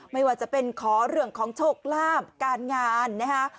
ไม่ว่าจะเป็นขอเรื่องของโชคลาภการงานนะคะ